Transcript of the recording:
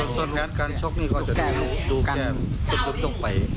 สดงั้นการชกก็จะหนูไป